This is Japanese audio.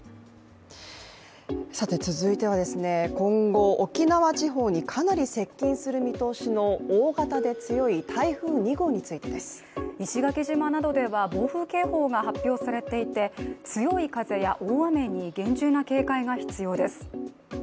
続いては、今後、沖縄地方にかなり接近する見通しの大型で強い台風２号についてです。石垣島などでは暴風警報が発表されていて強い風や大雨に厳重な警戒が必要です。